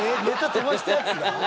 飛ばしたやつが？